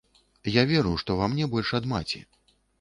Я веру, што ва мне больш ад маці.